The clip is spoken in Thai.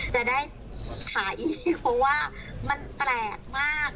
จะได้ขายอีกเพราะว่ามันแปลกมาก